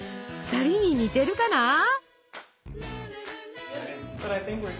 ２人に似てるかな？